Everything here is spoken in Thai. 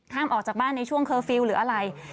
ออกจากบ้านในช่วงเคอร์ฟิลล์หรืออะไร